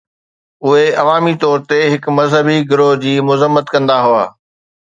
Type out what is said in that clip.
اهي عوامي طور تي هڪ مذهبي گروهه جي مذمت ڪندا هئا.